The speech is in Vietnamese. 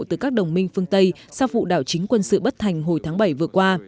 từ các đồng minh phương tây sau vụ đảo chính quân sự bất thành hồi tháng bảy vừa qua